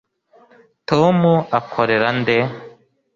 tom akorera nde